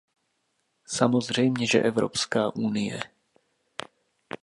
Samozřejmě že Evropská unie.